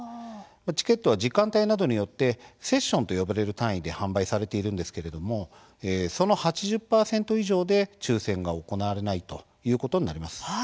チケットは時間帯などによってセッションと呼ばれる単位で販売されているんですけれどもその８０％以上で抽せんが行われないということになります。